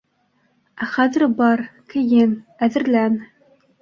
Ә хәҙер бар, кейен, әҙерлән.